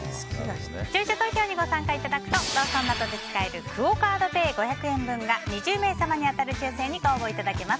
視聴者にご参加いただくとローソンなどで使えるクオ・カードペイ５００円分が２０名様に当たる抽選にご応募いただけます。